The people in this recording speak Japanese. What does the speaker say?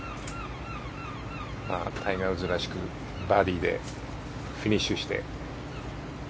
タイガー・ウッズらしくバーディーでフィニッシュして。